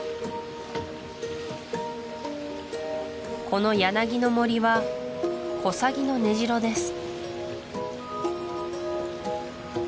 この柳の森はコサギの根城です